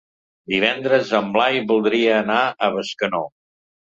Divendres en Blai voldria anar a Bescanó.